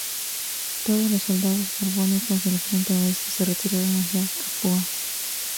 Todos los soldados borbónicos del frente oeste se retiraron hacia Capua.